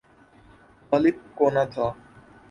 غالب کو نہ تھا۔